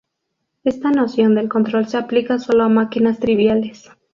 Esta noción del control se aplica solo a máquinas triviales.